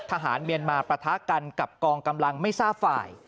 ทหารเมียนมาปะทะกันกับกองกำลังไม่ทราบฝ่าย